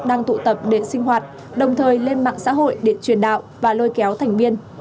đang tụ tập để sinh hoạt đồng thời lên mạng xã hội để truyền đạo và lôi kéo thành viên